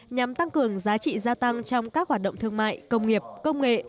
nhằm tăng cường giá trị gia tăng trong các hoạt động thương mại công nghiệp công nghệ